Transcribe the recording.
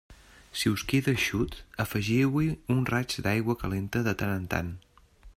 Si us queda eixut, afegiu-hi un raig d'aigua calenta de tant en tant.